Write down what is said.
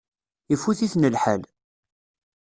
Ifut-iten lḥal.